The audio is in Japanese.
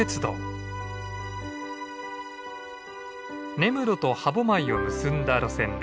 根室と歯舞を結んだ路線です。